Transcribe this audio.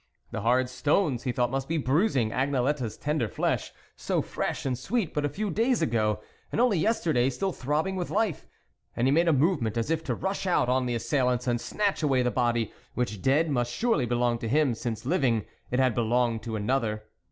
The hard stones he thought must be bruising Angelette's tender flesh, so fresh and sweet but a few days ago, and only yesterday still throbbing with life, and he made a movement as if to rush out on the assailants and snatch away the body, which dead, must surely belong to him, since, living, it had be longed to another.